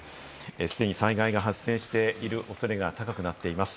既に災害が発生している恐れが高くなっています。